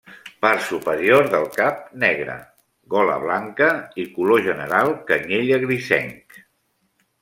Part superior del cap negre, gola blanca i color general canyella grisenc.